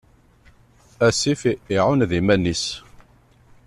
Asif iɛuned iman-is.